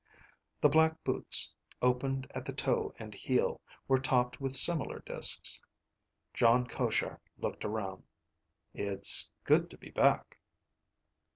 The black boots, opened at the toe and the heel, were topped with similar disks. Jon Koshar looked around. "It's good to be back."